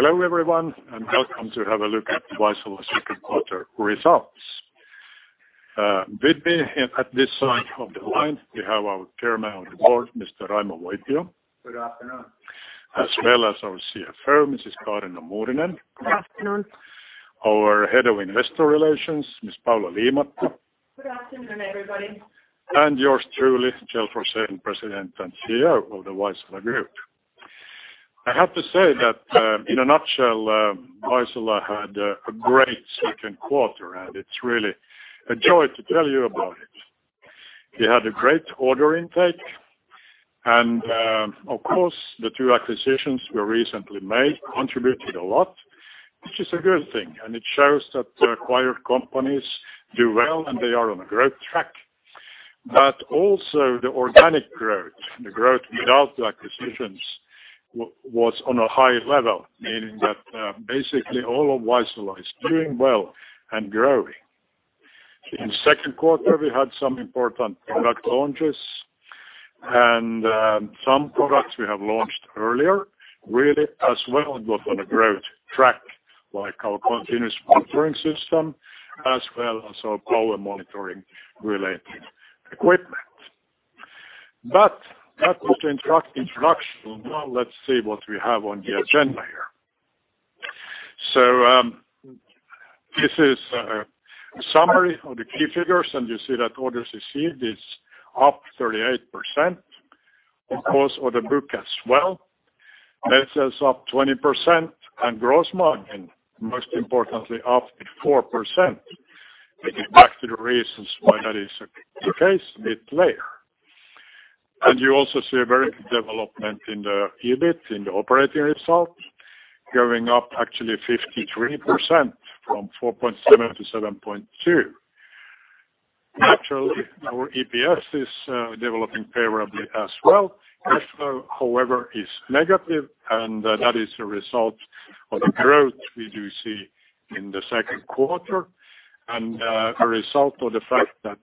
Hello, everyone, welcome to have a look at Vaisala's second quarter results. With me at this side of the line, we have our Chairman of the Board, Mr. Raimo Voipio. Good afternoon. As well as our CFO, Mrs. Kaarina Muurinen. Good afternoon. Our Head of Investor Relations, Ms. Paula Liimatta. Good afternoon, everybody. Yours truly, Kjell Forsén, President and CEO of the Vaisala Group. I have to say that, in a nutshell, Vaisala had a great second quarter, and it's really a joy to tell you about it. We had a great order intake and, of course, the two acquisitions we recently made contributed a lot. Which is a good thing, and it shows that the acquired companies do well and they are on a growth track. Also the organic growth, the growth without the acquisitions, was on a high level, meaning that basically all of Vaisala is doing well and growing. In the second quarter, we had some important product launches and some products we have launched earlier, really as well, was on a growth track, like our continuous monitoring system as well as our power monitoring related equipment. That was the introduction. Now let's see what we have on the agenda here. This is a summary of the key figures, and you see that orders received is up 38%, of course, order book as well. Net sales up 20% and gross margin, most importantly up 4%. We'll get back to the reasons why that is the case a bit later. You also see a very good development in the EBIT, in the operating results, going up actually 53% from 4.7 to 7.2. Naturally, our EPS is developing favorably as well. Cash flow, however, is negative and that is a result of the growth we do see in the second quarter and a result of the fact that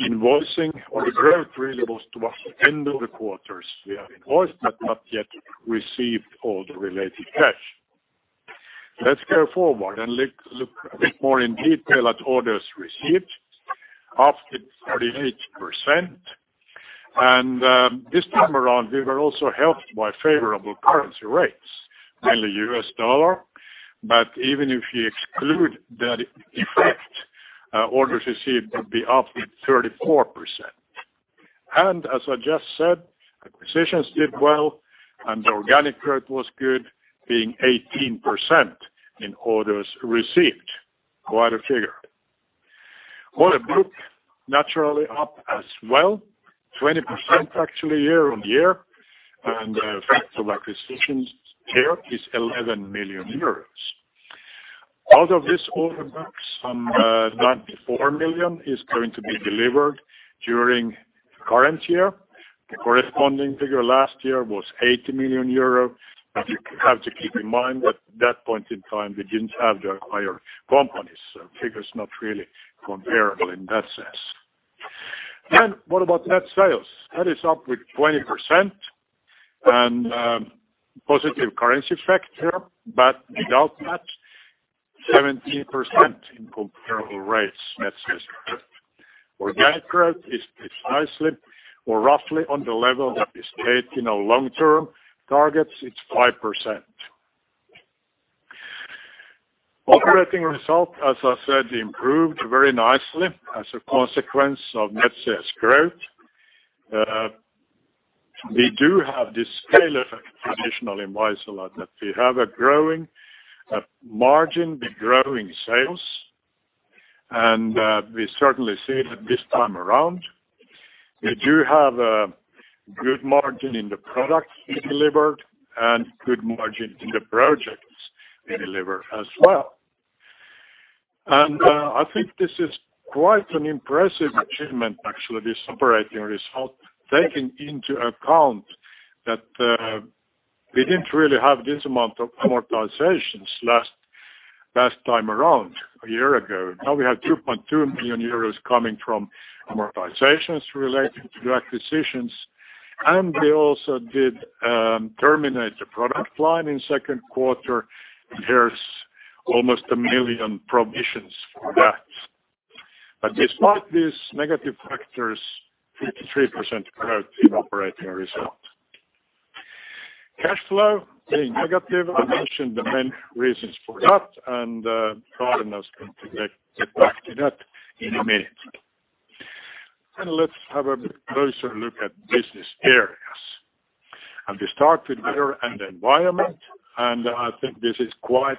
invoicing or the growth really was towards the end of the quarters. We have invoiced but not yet received all the related cash. Let's go forward and look a bit more in detail at orders received, up to 38%. This time around, we were also helped by favorable currency rates, mainly U.S. dollar. Even if you exclude that effect, orders received would be up with 34%. As I just said, acquisitions did well and the organic growth was good, being 18% in orders received. Quite a figure. Order book, naturally up as well, 20% actually year-on-year, and effect of acquisitions here is 11 million euros. Out of this order book, some 94 million is going to be delivered during the current year. The corresponding figure last year was 80 million euros. You have to keep in mind that at that point in time, we didn't have the acquired companies, so figure's not really comparable in that sense. What about net sales? That is up with 20% and positive currency effect here, but without that, 17% in comparable rates net sales growth. Organic growth is nicely or roughly on the level that we state in our long-term targets. It's 5%. Operating result, as I said, improved very nicely as a consequence of net sales growth. We do have this scale effect traditionally in Vaisala that we have a growing margin with growing sales, and we certainly see it this time around. We do have a good margin in the products we delivered and good margin in the projects we deliver as well. I think this is quite an impressive achievement, actually, this operating result, taking into account that we didn't really have this amount of amortizations last time around a year ago. Now we have 2.2 million euros coming from amortizations relating to the acquisitions, and we also did terminate a product line in the second quarter. There's almost 1 million provisions for that. Despite these negative factors, 53% growth in operating results. Cash flow being negative, I mentioned the main reasons for that, and Kaarina's going to get back to that in a minute. Let's have a bit closer look at business areas. We start with Weather and Environment, and I think this is quite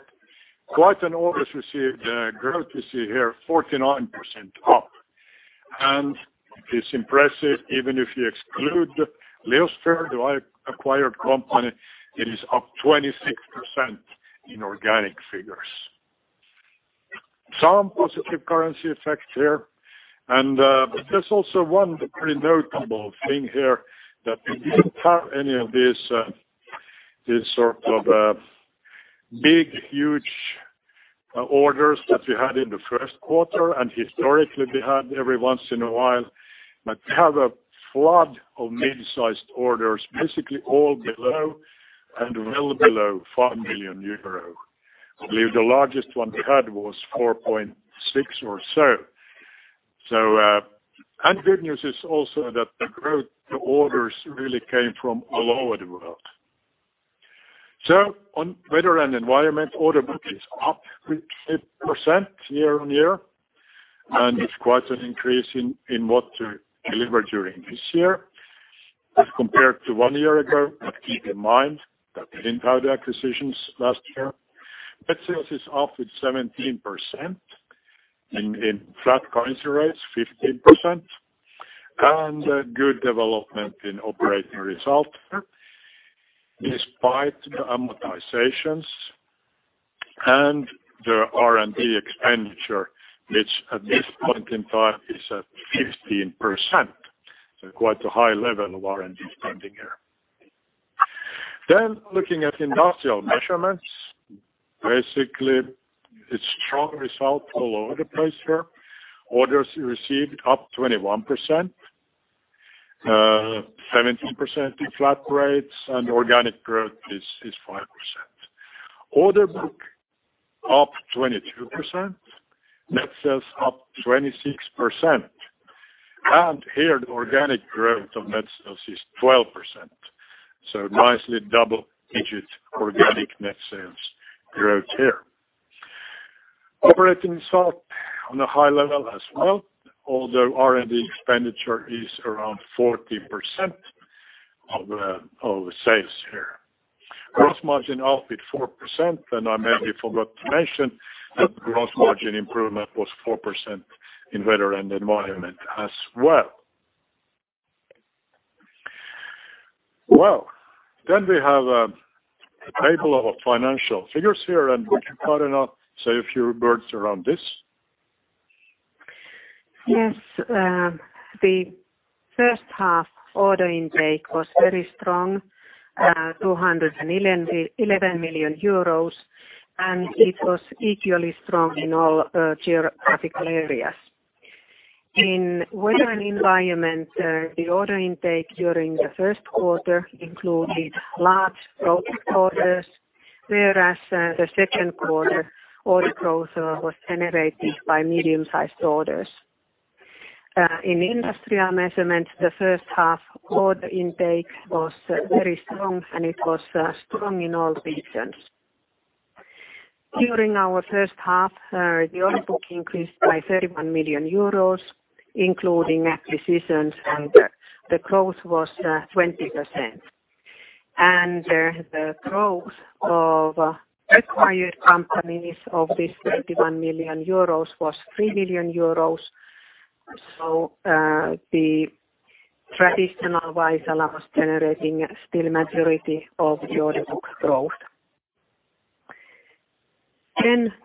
an orders received growth you see here, 49% up. It's impressive, even if you exclude Leosphere, the acquired company, it is up 26% in organic figures. Some positive currency effect here. There's also one pretty notable thing here that we didn't have any of this sort of big, huge orders that we had in the first quarter, and historically we had every once in a while, but we have a flood of mid-sized orders, basically all below and well below 5 million euro. I believe the largest one we had was 4.6 or so. Good news is also that the growth orders really came from all over the world. On Weather and Environment, order book is up 50% year-on-year, and it's quite an increase in what to deliver during this year as compared to one year ago. Keep in mind that we didn't have the acquisitions last year. Net sales is up with 17%, in flat currency rates, 15%, and a good development in operating result despite the amortizations and the R&D expenditure, which at this point in time is at 15%. Quite a high level of R&D spending here. Looking at Industrial Measurements, basically it's strong result all over the place here. Orders received up 21%, 17% in flat rates, and organic growth is 5%. Order book up 22%, net sales up 26%. Here, the organic growth of net sales is 12%, so nicely double-digit organic net sales growth here. Operating result on a high level as well, although R&D expenditure is around 40% of the sales here. Gross margin up with 4%, and I maybe forgot to mention that gross margin improvement was 4% in Weather and Environment as well. We have a table of financial figures here, would you, Kaarina, say a few words around this? Yes. The first half order intake was very strong, 211 million euros, it was equally strong in all geographic areas. In Weather and Environment, the order intake during the first quarter included large project orders, whereas the second quarter order growth was generated by medium-sized orders. In Industrial Measurements, the first half order intake was very strong, it was strong in all regions. During our first half, the order book increased by 31 million euros, including acquisitions, the growth was 20%. The growth of acquired companies of this 31 million euros was 3 million euros. The traditional Vaisala was generating still majority of the order book growth.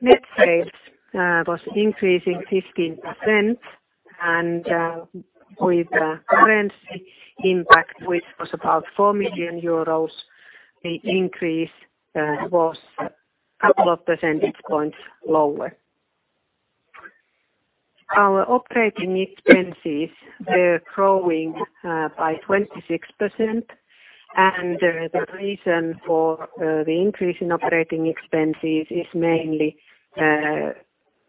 Net sales was increasing 15%, and with the currency impact, which was about 4 million euros, the increase was a couple of percentage points lower. Our operating expenses were growing by 26%, the reason for the increase in operating expenses is mainly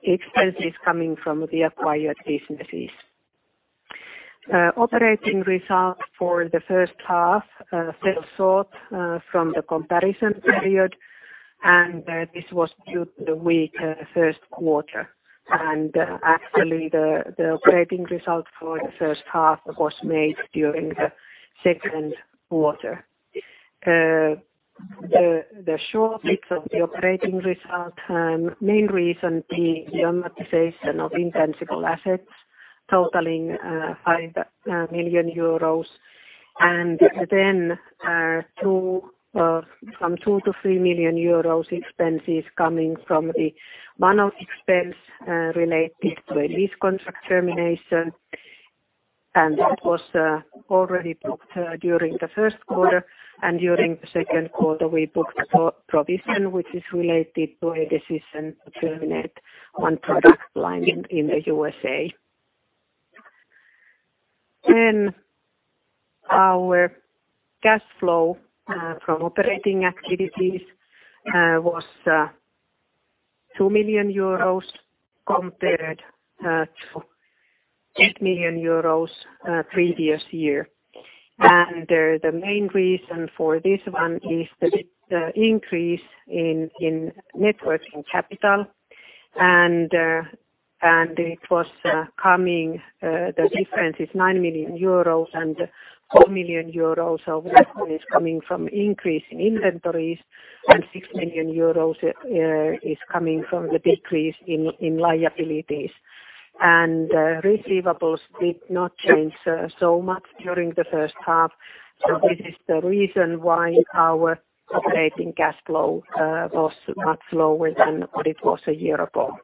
expenses coming from the acquired businesses. Operating results for the first half fell short from the comparison period, this was due to the weak first quarter. Actually, the operating result for the first half was made during the second quarter. The shortfalls of the operating result, main reason being the amortization of intangible assets totaling 5 million, from 2 million-3 million euros expenses coming from the one-off expense related to a lease contract termination. That was already booked during the first quarter. During the second quarter, we booked a provision which is related to a decision to terminate one product line in the U.S.A. Our cash flow from operating activities was 2 million euros compared to 8 million euros previous year. The main reason for this one is the increase in net working capital, it was coming, the difference is 9 million euros, 4 million euros of that is coming from increase in inventories, and 6 million euros is coming from the decrease in liabilities. Receivables did not change so much during the first half. This is the reason why our operating cash flow was much lower than what it was a year ago.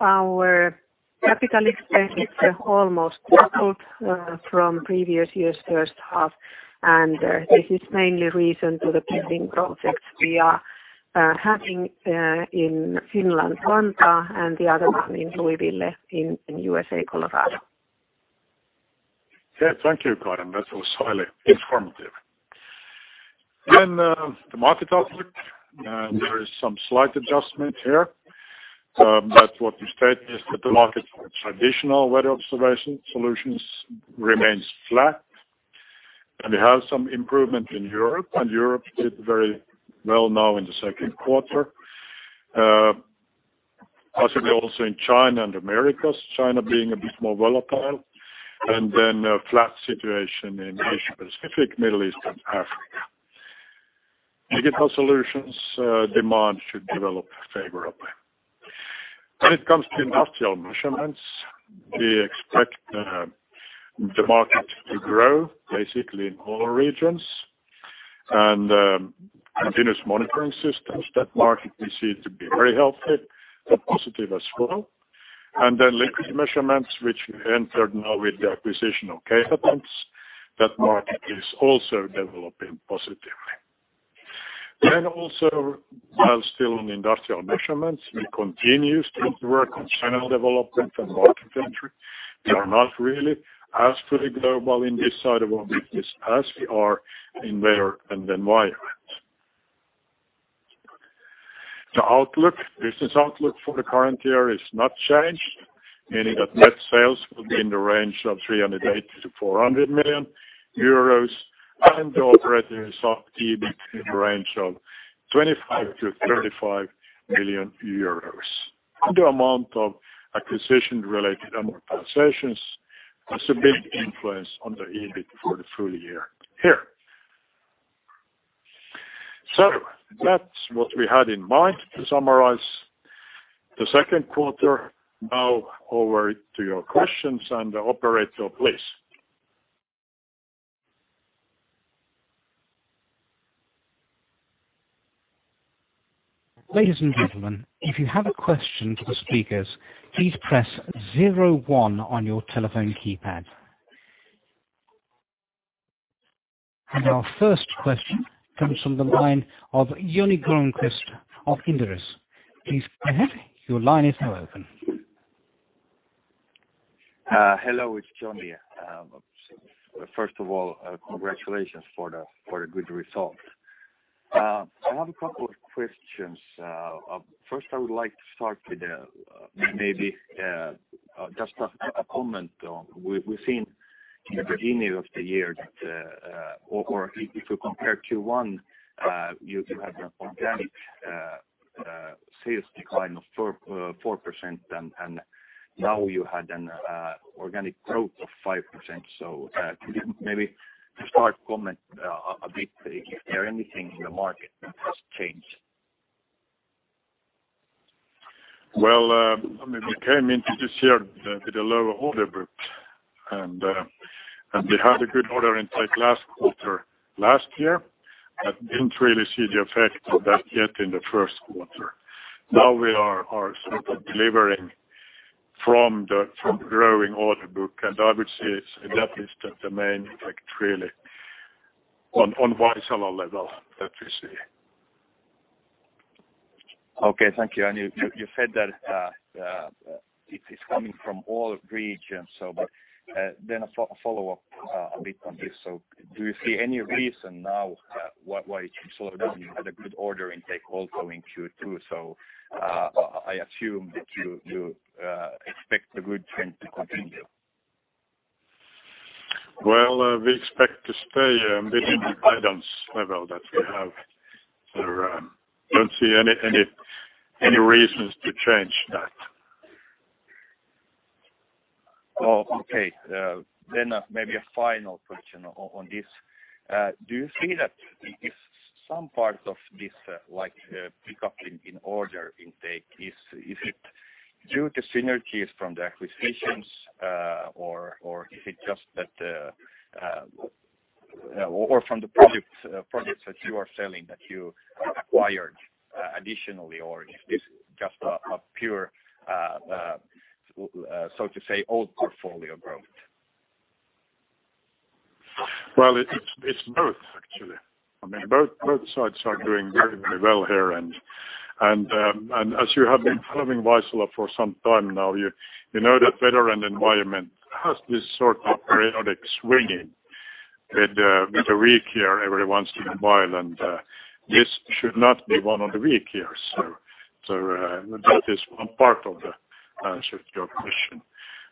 Our capital expense is almost doubled from previous year's first half, and this is mainly recent to the building projects we are having in Finland, Vantaa, and the other one in Louisville in the U.S., Colorado. Okay. Thank you, Kaarina. That was highly informative. The market outlook, there is some slight adjustment here. What we state is that the market for traditional weather observation solutions remains flat, and we have some improvement in Europe, and Europe did very well now in the second quarter. Possibly also in China and Americas, China being a bit more volatile, and a flat situation in Asia-Pacific, Middle East, and Africa. Digital solutions demand should develop favorably. When it comes to Industrial Measurements, we expect the market to grow basically in all regions and continuous monitoring systems, that market we see to be very healthy, but positive as well. Liquid measurements, which we entered now with the acquisition of K-Patents, that market is also developing positively. While still on Industrial Measurements, we continue to work on channel development and market entry. We are not really as pretty global in this side of our business as we are in Weather and Environment. The business outlook for the current year is not changed, meaning that net sales will be in the range of 380 million-400 million euros, and the operating EBIT in the range of 25 million-35 million euros. The amount of acquisition-related amortizations has a big influence on the EBIT for the full year here. That's what we had in mind to summarize the second quarter. Over to your questions and the operator, please. Ladies and gentlemen, if you have a question for the speakers, please press zero one on your telephone keypad. Our first question comes from the line of Joni Grönqvist of Inderes. Please go ahead. Your line is now open. Hello, it is Joni. First of all, congratulations for the good result. I have a couple of questions. First, I would like to start with maybe just a comment on we have seen in the beginning of the year that or if you compare Q1, you had an organic sales decline of 4% and now you had an organic growth of 5%. Could you maybe just short comment a bit if there anything in the market that has changed? Well, we came into this year with a lower order book, and we had a good order intake last quarter, last year, but did not really see the effect of that yet in the first quarter. Now we are sort of delivering from the growing order book, and I would say that is the main effect really on Vaisala level that we see. Okay. Thank you. You said that it is coming from all regions. A follow-up a bit on this, do you see any reason now why it should slow down? You had a good order intake also in Q2, I assume that you expect the good trend to continue. Well, we expect to stay within the guidance level that we have there. Do not see any reasons to change that. Maybe a final question on this. Do you see that if some part of this pick up in order intake, is it due to synergies from the acquisitions, or is it just that or from the projects that you are selling, that you acquired additionally, or is this just a pure, so to say, old portfolio growth? Well, it's both, actually. As you have been following Vaisala for some time now, you know that Weather and Environment has this sort of periodic swinging with a weak year every once in a while, and this should not be one of the weak years. That is one part of the answer to your question.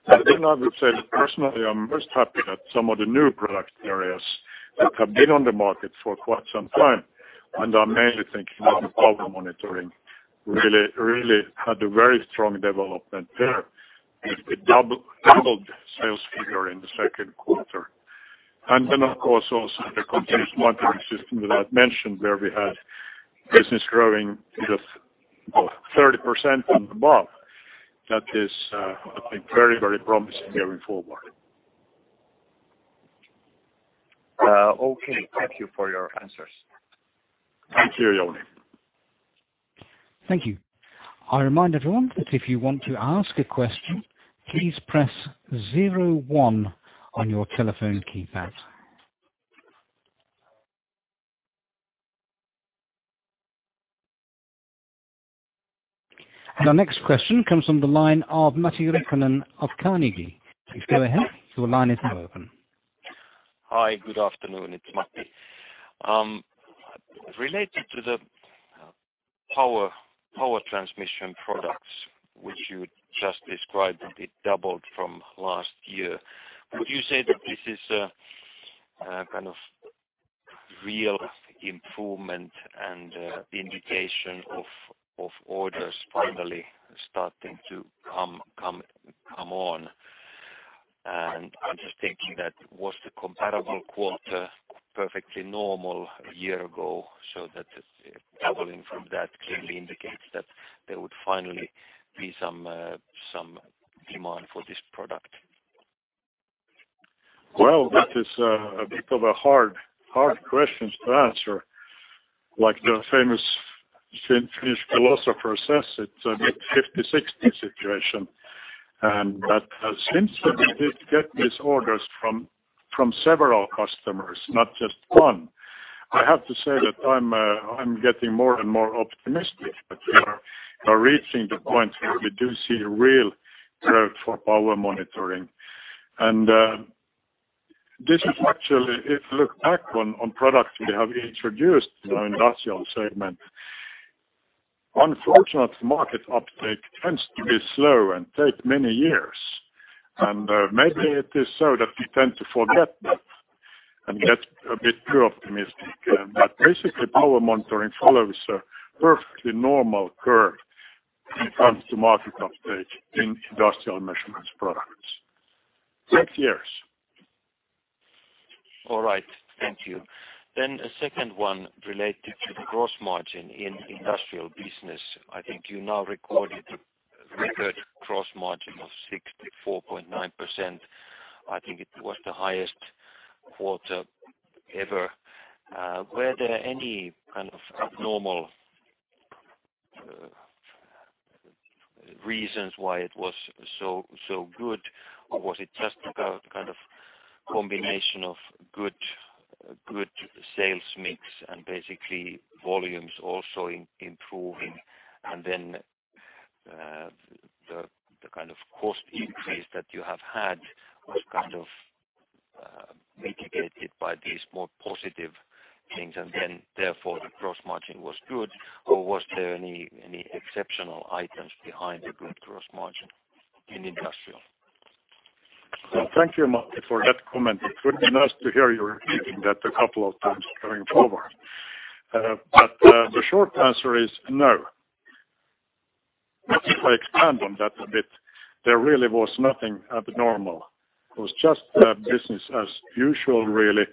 I would say that personally, I'm most happy that some of the new product areas that have been on the market for quite some time, and I'm mainly thinking of the power monitoring, really had a very strong development there with a doubled sales figure in the second quarter. Of course, also the continuous monitoring system that I've mentioned where we had business growing to the, well, 30% and above. That is, I think, very promising going forward. Okay, thank you for your answers. Thank you, Joni. Thank you. I remind everyone that if you want to ask a question, please press 01 on your telephone keypad. Our next question comes from the line of Matti Riikonen of Carnegie. Please go ahead, your line is now open. Hi, good afternoon. It's Matti. Related to the power transmission products which you just described, that it doubled from last year, would you say that this is a kind of real improvement and indication of orders finally starting to come on? I'm just thinking that was the comparable quarter perfectly normal a year ago so that doubling from that clearly indicates that there would finally be some demand for this product? Well, that is a bit of a hard question to answer. Like the famous Finnish philosopher says, it's a bit 50/60 situation, and that since we did get these orders from several customers, not just one, I have to say that I'm getting more and more optimistic that we are reaching the point where we do see a real growth for power monitoring. This is actually, if you look back on products we have introduced in the Industrial Measurements segment, unfortunately, market uptake tends to be slow and take many years. Maybe it is so that we tend to forget that and get a bit too optimistic. Basically, power monitoring follows a perfectly normal curve when it comes to market update in industrial measurements products. Takes years. All right. Thank you. A second one related to the gross margin in industrial business. I think you now recorded a gross margin of 64.9%. I think it was the highest quarter ever. Were there any kind of abnormal reasons why it was so good, or was it just a kind of combination of good sales mix and basically volumes also improving and then the kind of cost increase that you have had was kind of mitigated by these more positive things, and then therefore the gross margin was good? Was there any exceptional items behind the good gross margin in industrial? Thank you, Matti, for that comment. It would be nice to hear you repeating that a couple of times going forward. The short answer is no. If I expand on that a bit, there really was nothing abnormal. It was just business as usual, really.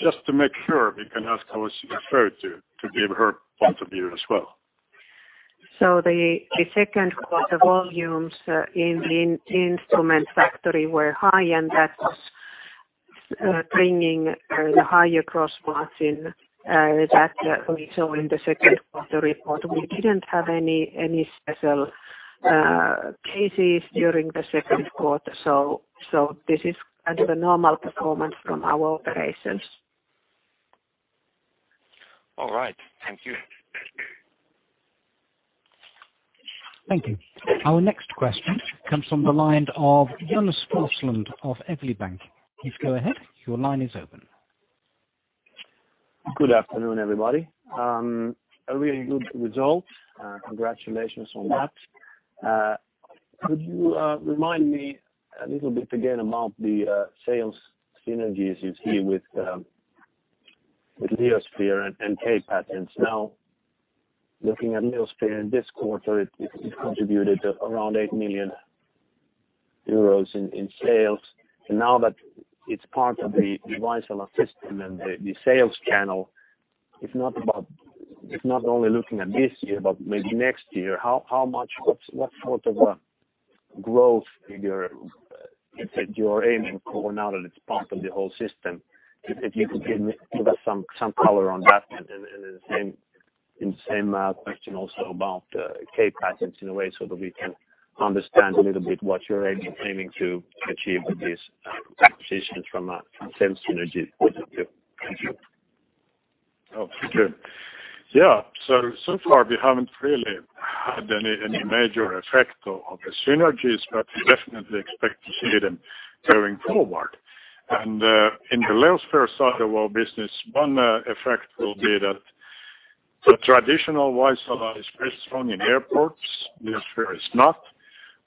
Just to make sure, we can ask Kaarina to give her point of view as well. The second quarter volumes in the instrument factory were high, and that's bringing the higher gross margin that we saw in the second quarter report. We didn't have any special cases during the second quarter, this is kind of a normal performance from our operations. All right. Thank you. Thank you. Our next question comes from the line of Jonas Forslund of Evli Bank. Please go ahead. Your line is open. Good afternoon, everybody. A really good result. Congratulations on that. Could you remind me a little bit again about the sales synergies you see with K-Patents and Leosphere? Looking at Leosphere this quarter, it contributed around 8 million euros in sales. Now that it's part of the Vaisala system and the sales channel, if not only looking at this year but maybe next year, what sort of a growth figure you're aiming for now that it's part of the whole system? If you could give us some color on that and the same question also about K-Patents in a way that we can understand a little bit what you're aiming to achieve with these acquisitions from a sales synergy point of view. Thank you. Okay. So far we haven't really had any major effect of the synergies, but we definitely expect to see them going forward. In the Leosphere side of our business, one effect will be that the traditional Vaisala is very strong in airports, Leosphere is not.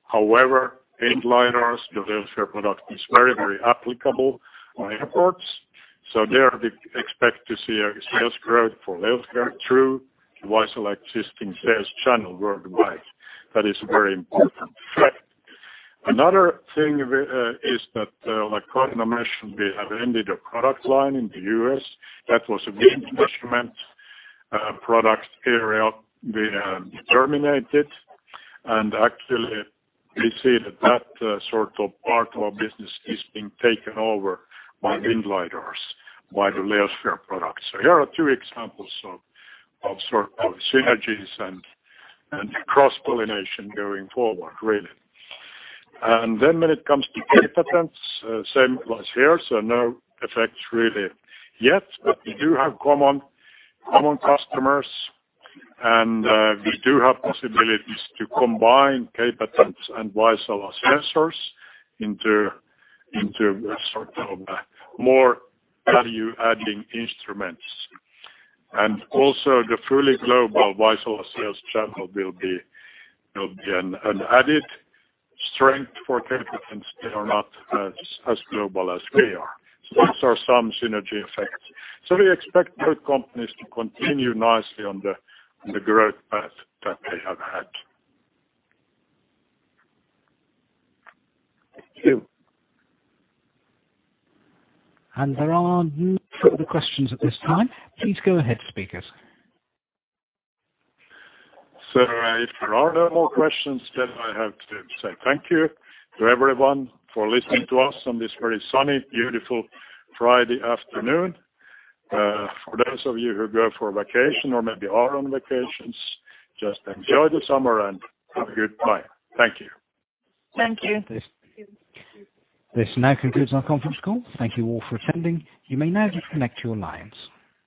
However, in lidars, the Leosphere product is very applicable on airports, so there we expect to see a sales growth for Leosphere through Vaisala existing sales channel worldwide. That is a very important effect. Another thing is that, like Kaarina mentioned, we have ended a product line in the U.S. That was a wind instrument product area we terminated. Actually, we see that sort of part of our business is being taken over by wind lidars, by the Leosphere products. Here are two examples of synergies and cross-pollination going forward, really. When it comes to K-Patents, same was here, no effects really yet, but we do have common customers, and we do have possibilities to combine K-Patents and Vaisala sensors into sort of a more value-adding instruments. Also the fully global Vaisala sales channel will be an added strength for K-Patents. They are not as global as we are. Those are some synergy effects. We expect both companies to continue nicely on the growth path that they have had. Thank you. There are no further questions at this time. Please go ahead, speakers. If there are no more questions, I have to say thank you to everyone for listening to us on this very sunny, beautiful Friday afternoon. For those of you who go for vacation or maybe are on vacations, just enjoy the summer and have a good time. Thank you. Thank you. This now concludes our conference call. Thank you all for attending. You may now disconnect your lines.